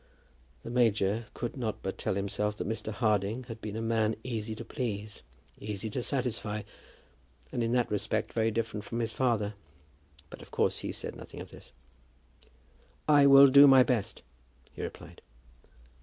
The major could not but tell himself that Mr. Harding had been a man easy to please, easy to satisfy, and, in that respect, very different from his father. But of course he said nothing of this. "I will do my best," he replied.